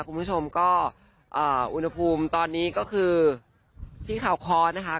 คุณผู้ชมก็อุณหภูมิตอนนี้ก็คือที่เขาคอนะคะ